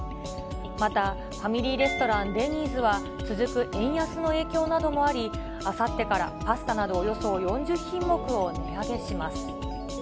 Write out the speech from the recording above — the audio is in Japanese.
またファミリーレストラン、デニーズは、続く円安の影響などもあり、あさってからパスタなど４０品目を値上げします。